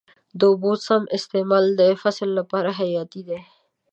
د اوبو سم استعمال د فصل لپاره حیاتي دی.